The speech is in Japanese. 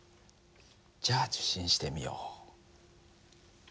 じゃあ受信してみよう。